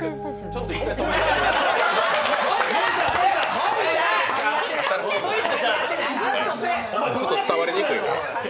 ちょっと伝わりにくいから。